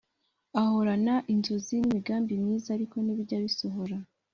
Ahorana inzozi n’imigambi myiza ariko ntibijya bisohora